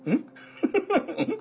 フフフん？